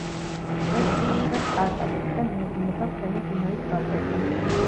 კვეთს სამხრეთ კარპატებს და მიედინება ქვემო დუნაის ვაკეზე.